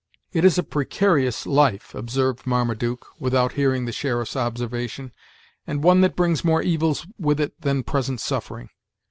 "It is a precarious life," observed Marmaduke, without hearing the sheriff's observation, "and one that brings more evils with it than present suffering.